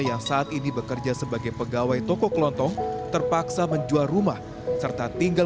yang saat ini bekerja sebagai pegawai toko kelontong terpaksa menjual rumah serta tinggal